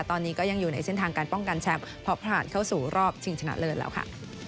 ตอนนี้ก็ยังอยู่ในเส้นทางการป้องกันแชมป์เพราะผ่านเข้าสู่รอบชิงชนะเลิศแล้วค่ะ